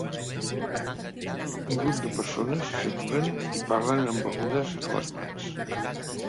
Un grup de persones s'aturen i parlen amb begudes a les mans